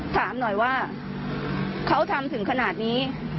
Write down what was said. ถามหน่อยว่าเขาทำถึงขนาดนี้